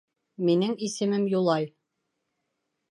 Минең исемем Юлай.